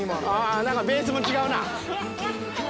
ベースも違うな。